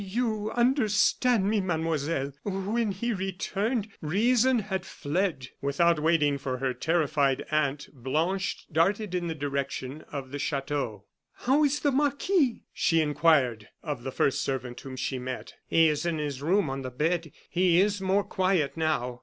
"You understand me, Mademoiselle when he returned, reason had fled!" Without waiting for her terrified aunt, Blanche darted in the direction of the chateau. "How is the marquis?" she inquired of the first servant whom she met. "He is in his room on the bed; he is more quiet now."